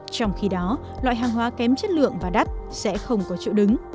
trong khi đó loại hàng hóa kém chất lượng và đắt sẽ không có chỗ đứng